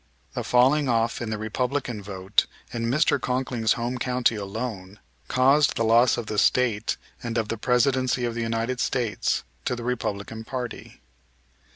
The falling off in the Republican vote in Mr. Conkling's home county alone caused the loss of the State and of the Presidency of the United States to the Republican party.